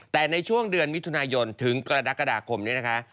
แต่ในช่วงเดือนมิถุนายนถึงกรกฎาคมนี้นะคะ